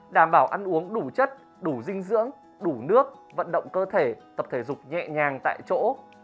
đảm bảo ăn uống đủ chất đủ dinh dưỡng đủ nước vận động cơ thể tập thể dục nhẹ nhàng tại chỗ